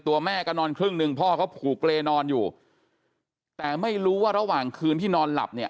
แม่ก็นอนครึ่งหนึ่งพ่อเขาผูกเลนอนอยู่แต่ไม่รู้ว่าระหว่างคืนที่นอนหลับเนี่ย